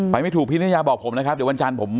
ไม่ถูกพินยาบอกผมนะครับเดี๋ยววันจันทร์ผม